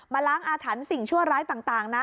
ล้างอาถรรพ์สิ่งชั่วร้ายต่างนะ